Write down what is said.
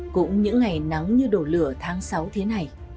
cũng những ngày nắng như đổ lửa tháng sáu thế này